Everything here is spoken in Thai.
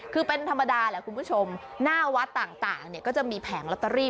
คือเป็นธรรมดาแหละคุณผู้ชมหน้าวัดต่างเนี่ยก็จะมีแผงลอตเตอรี่